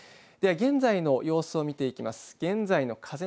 では現在の様子を見ていきます。